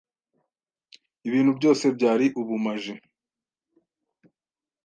Ibintu byose byari ubumaji